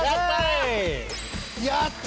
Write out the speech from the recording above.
やった！